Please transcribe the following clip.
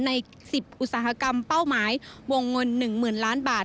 ใน๑๐อุตสาหกรรมเป้าหมายวงเงิน๑๐๐๐ล้านบาท